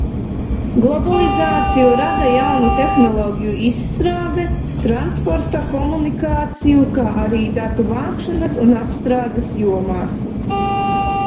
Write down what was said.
Globalizāciju rada jaunu tehnoloģiju izstrāde transporta, komunikāciju, kā arī datu vākšanas un apstrādes jomās.